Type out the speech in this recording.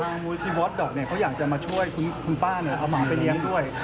มูลที่ฮอตดอกเนี่ยเขาอยากจะมาช่วยคุณป้าเนี่ยเอาหมาไปเลี้ยงด้วย